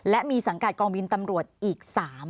และมีสังกัดกองบินตำรวจอีก๓